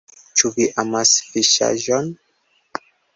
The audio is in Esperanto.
Ĉu vi amas fiŝaĵon?